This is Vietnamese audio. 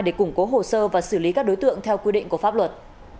để củng cố hồ sơ và xử lý các đối tượng theo quy định của pháp luật